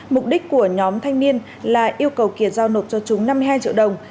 mục đích của nhóm thanh niên là yêu cầu kiệt giao nộp cho chúng năm mươi hai triệu đồng